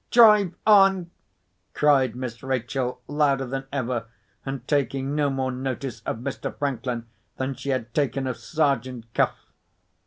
"Drive on!" cried Miss Rachel, louder than ever, and taking no more notice of Mr. Franklin than she had taken of Sergeant Cuff.